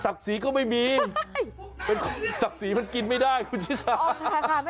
ศักดิ์ศรีก็ไม่มีศักดิ์ศรีมันกินไม่ได้คุณชิศาสตร์